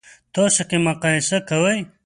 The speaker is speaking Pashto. تاسو توکي مقایسه کوئ؟